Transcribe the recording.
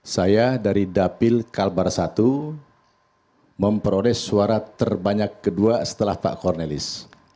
saya dari dapil kalbar i memproses suara terbanyak kedua setelah pak kornelis